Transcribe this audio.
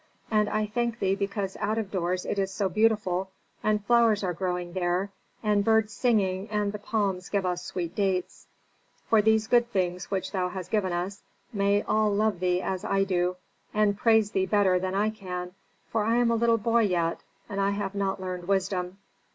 And I thank thee because out of doors it is so beautiful, and flowers are growing there, and birds singing and the palms give us sweet dates. For these good things which thou hast given us, may all love thee as I do, and praise thee better than I can, for I am a little boy yet and I have not learned wisdom.